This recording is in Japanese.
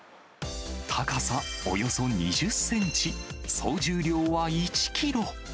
高さおよそ２０センチ、総重量は１キロ。